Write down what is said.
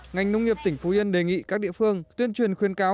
ngành nông nghiệp tỉnh phú yên đề nghị các địa phương tuyên truyền khuyên cáo